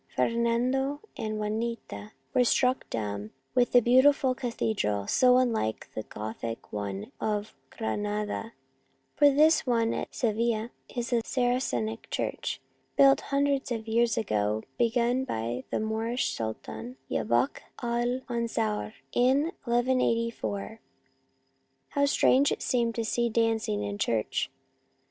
Fernando and Juanita were struck 70 Our Little Spanish Cousin dumb with the beautiful cathedral, so unlike the Gothic one of Granada ; for this one at Sevilla is a Saracenic church, built hundreds of years ago, begun by the Moorish Sultan, Yakub al Mansour, in 1 1 84. How strange it seemed to see dancing in church